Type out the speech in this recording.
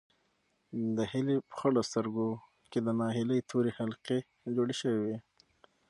د هیلې په خړو سترګو کې د ناهیلۍ تورې حلقې جوړې شوې وې.